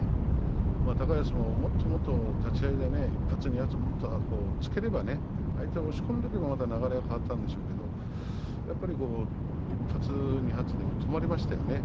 高安も、もっともっと立ち合いで１発２発押っつければ相手を押し込んでおけば流れが変わったんでしょうけどやっぱり１発２発で止まりましたよね。